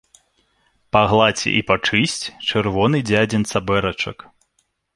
Пагладзь і пачысць чырвоны дзядзін цабэрачак.